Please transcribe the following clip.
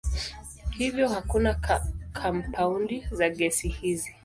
Hivyo hakuna kampaundi za gesi hizi.